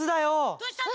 どうしたの？